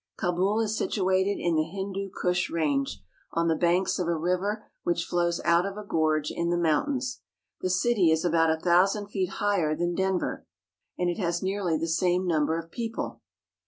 Kabul is situated in the Hindu Kush Range, on the banks of a river which flows out of a gorge in the moun tains. The city is about a thousand feet higher than Den ver, and it has nearly the same number of people.